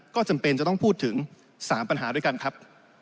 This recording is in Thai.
ก็จำเป็นจะต้องพูดถึง๓ปัญหาด้วยกันครับ